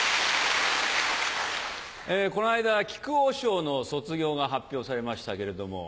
こないだ木久扇師匠の卒業が発表されましたけれども。